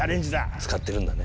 使ってるんだね。